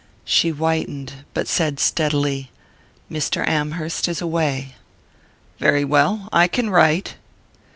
She whitened, but said steadily: "Mr. Amherst is away." "Very well I can write."